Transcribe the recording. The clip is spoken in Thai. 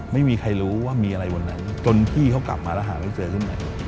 ไม่มีใครรู้ว่ามีอะไรบนนั้นจนพี่เขากลับมาแล้วหาไม่เจอขึ้นใหม่